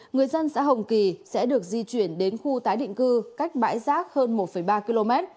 người dân xã hồng kỳ sẽ được di chuyển đến khu tái định cư cách bãi rác hơn một ba km